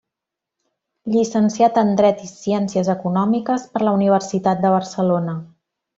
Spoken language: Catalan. Llicenciat en Dret i Ciències Econòmiques per la Universitat de Barcelona.